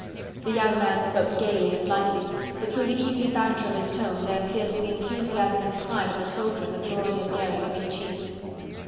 The young man spoke gaily and lightly, but through the easy banter of his tone, there pierced the enthusiasm and pride of the soldier in the glory and daring of his chief.